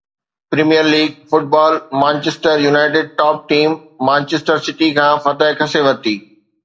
premier league football Manchester United top team Manchester City کان فتح کسي ورتي